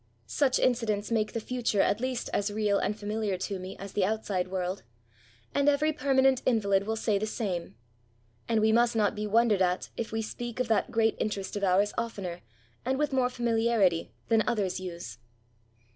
Such incidents make the future at least as real and familiar to me as the outside world; and every permanent invalid will say the same : and we must not be wondered at if we speak of that great interest of ours oftener, and with more familiarity, than others use.